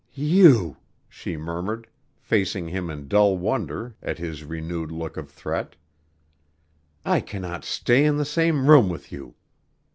"You!" she murmured, facing him in dull wonder at his renewed look of threat. "I cannot stay in the same room with you.